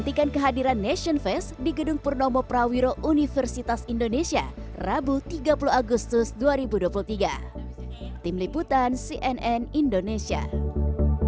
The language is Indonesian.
beragam kegiatan menarik bakal disiapkan seperti who wants to be a journalist vote on location hingga ikut serta diskusi interaktif on air political show dengan menghadirkan narasumber elit politik populer serta berkata bahwa kita harus berpikir dengan kebenaran